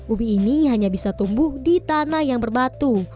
ubi ini hanya bisa tumbuh di tanah yang berbatu